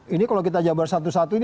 ini kalau kita jabar satu satu ini